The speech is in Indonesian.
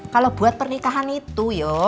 kalo buat pernikahan itu